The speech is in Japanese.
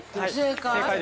正解？